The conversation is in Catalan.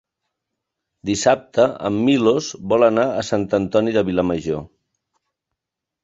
Dissabte en Milos vol anar a Sant Antoni de Vilamajor.